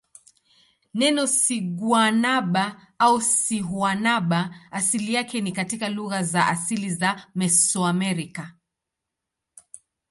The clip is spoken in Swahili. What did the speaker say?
Neno siguanaba au sihuanaba asili yake ni katika lugha za asili za Mesoamerica.